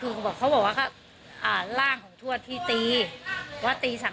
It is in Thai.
ถึงเราถ้าเรารู้ว่าเขาทำกับลูกเราอย่างนี้ไม่มีวันที่แม่